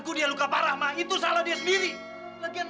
apa dia baik baik saja